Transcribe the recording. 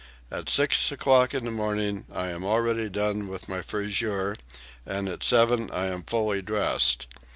At six o'clock in the morning I am already done with my friseur, and at seven I am fully dressed.